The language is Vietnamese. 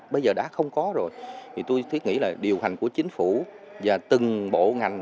bây giờ đã không có rồi thì tôi thiết nghĩ là điều hành của chính phủ và từng bộ ngành